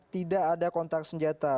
tidak ada kontak senjata